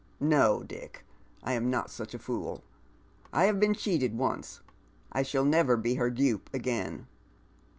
No, Dick, I am not such a fool. I have been cheated once. I shall never be her dupe again.